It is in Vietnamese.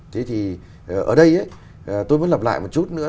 thế thì ở đây tôi mới lặp lại một chút nữa